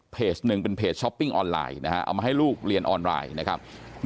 หนึ่งเป็นเพจช้อปปิ้งออนไลน์นะฮะเอามาให้ลูกเรียนออนไลน์นะครับ